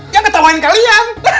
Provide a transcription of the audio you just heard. yang ketawain kalian